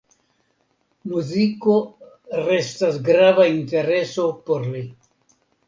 Muziko restas grava intereso por li.